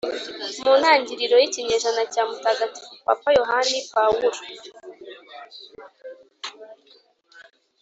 mu ntangiriro y’ikinyejana cya mutagatifu papa yohani pawulo